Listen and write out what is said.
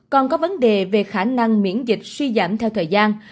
còn có vấn đề về khả năng miễn dịch suy giảm theo thời gian